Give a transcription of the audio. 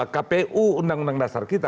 kpu undang undang dasar kita